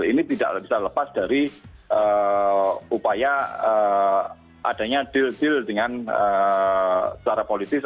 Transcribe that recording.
ini tidak bisa lepas dari upaya adanya deal deal dengan secara politis